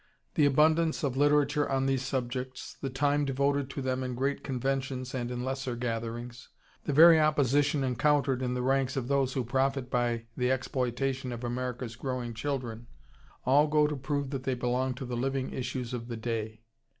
The abundance of literature on these subjects, the time devoted to them in great conventions and in lesser gatherings, the very opposition encountered in the ranks of those who profit by the exploitation of America's growing children, all go to prove that they belong to the living issues of the day.